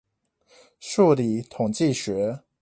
數理統計學